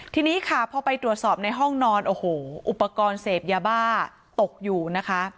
ทีนี้ค่ะพอไปตรวจสอบในห้องนอนโอ้โหอุปกรณ์เสพยาบ้าตกอยู่นะคะ